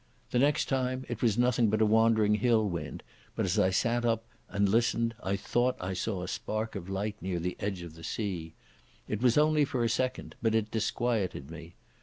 The next time it was nothing but a wandering hill wind, but as I sat up and listened I thought I saw a spark of light near the edge of the sea. It was only for a second, but it disquieted me.